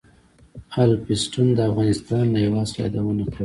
الفونستون د افغانستان له هېواد څخه یادونه کړې.